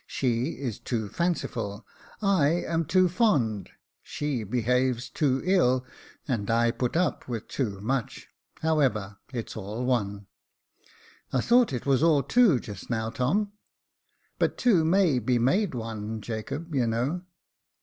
She is too fanciful; I am too fond; she behaves too ill, and I put up with too much. However, it's all o«^." " I thought it was all tiuo just now, Tom." " But two may be made one, Jacob, you know."